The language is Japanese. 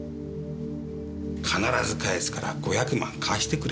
必ず返すから５００万貸してくれって。